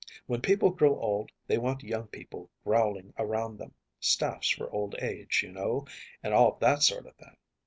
When people grow old they want young people growing around them, staffs for old age, you know, and all that sort of thing.